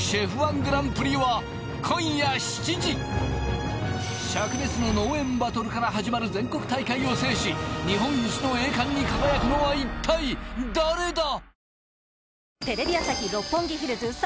−１グランプリは今夜７時灼熱の農園バトルから始まる全国大会を制し日本一の栄冠に輝くのはいったい誰だ！？